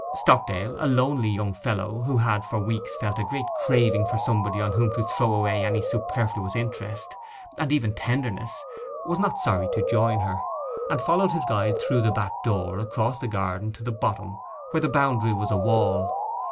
Stockdale, a lonely young fellow, who had for weeks felt a great craving for somebody on whom to throw away superfluous interest, and even tenderness, was not sorry to join her; and followed his guide through the back door, across the garden, to the bottom, where the boundary was a wall.